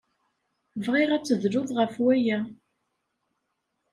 Bɣiɣ ad tedluḍ ɣef waya.